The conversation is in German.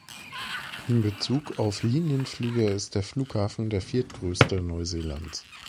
In Bezug auf Linienflüge ist der Flughafen der viertgrößte Neuseelands.